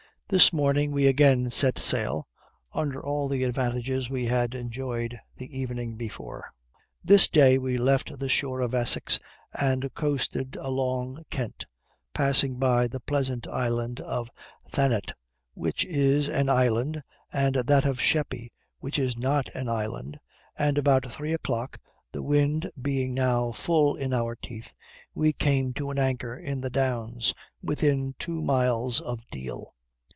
This morning we again set sail, under all the advantages we had enjoyed the evening before. This day we left the shore of Essex and coasted along Kent, passing by the pleasant island of Thanet, which is an island, and that of Sheppy, which is not an island, and about three o 'clock, the wind being now full in our teeth, we came to an anchor in the Downs, within two miles of Deal.